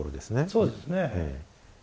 そうですね。